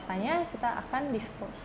kalau luar kita akan dispose